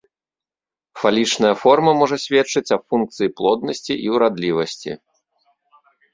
Фалічная форма можа сведчыць аб функцыі плоднасці і ўрадлівасці.